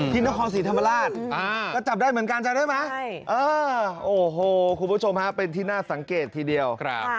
ที่นครศรีธรรมราชก็จับได้เหมือนกันจำได้ไหมโอ้โหคุณผู้ชมฮะเป็นที่น่าสังเกตทีเดียว